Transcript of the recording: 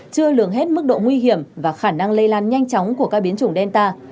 chưa lường hết mức độ nguy hiểm và khả năng lây lan nhanh chóng của các biến chủng delta